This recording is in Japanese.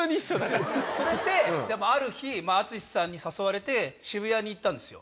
それである日まぁ淳さんに誘われて渋谷に行ったんですよ。